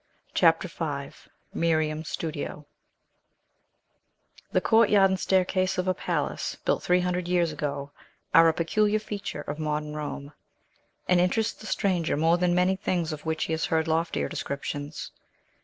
CHAPTER V MIRIAM'S STUDIO The courtyard and staircase of a palace built three hundred years ago are a peculiar feature of modern Rome, and interest the stranger more than many things of which he has heard loftier descriptions.